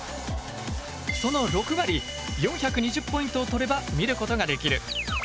その６割４２０ポイントを取れば見ることができる。